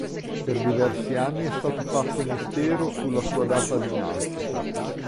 Per diversi anni è stato fatto mistero sulla sua data di nascita.